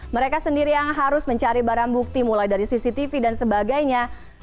mereka sendiri yang harus mencari barang bukti mulai dari cctv dan sebagainya